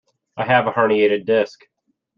I have a herniated disc.